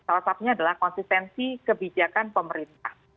salah satunya adalah konsistensi kebijakan pemerintah